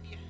gak tahulah bang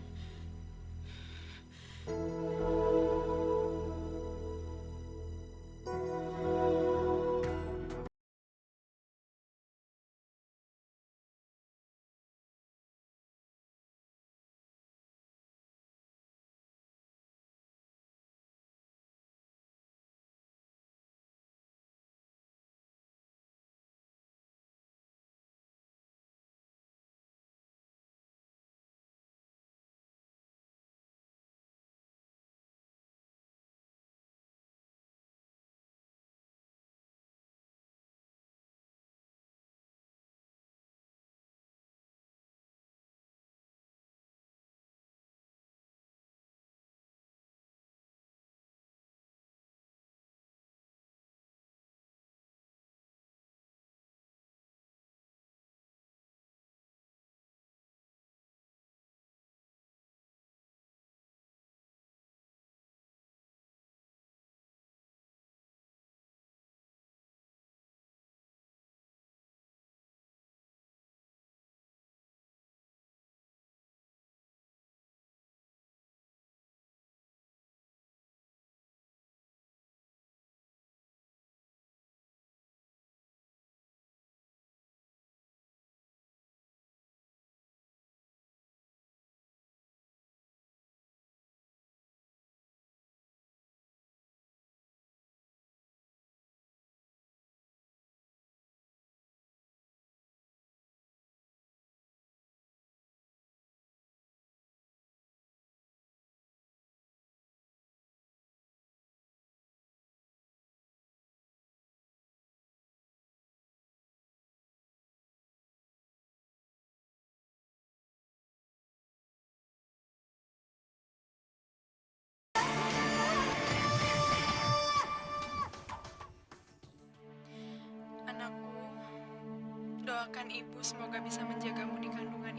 saya bisa tidur dimana aja kok